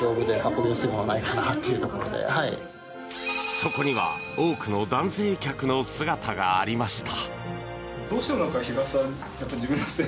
そこには多くの男性客の姿がありました。